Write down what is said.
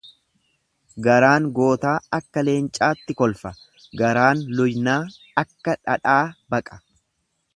Garaan gootaa akka leencaatti kolfa garaan luynaa akka dhadhaa baqa.